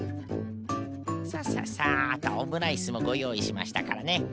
さささっとオムライスもごよういしましたからね。